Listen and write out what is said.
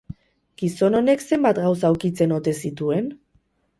Gizon honek zenbat gauza ukitzen ote zituen?